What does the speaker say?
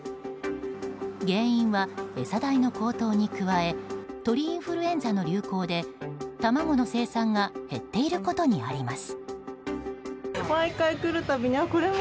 原因は餌代の高騰に加え鳥インフルエンザの流行で卵の生産が減っていることにあります。